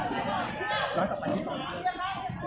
เวลาแรกพี่เห็นแวว